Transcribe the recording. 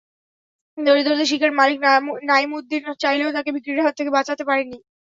দারিদ্র্যের শিকার মালিক নাইমুদ্দিন চাইলেও তাকে বিক্রির হাত থেকে বাঁচাতে পারেনি।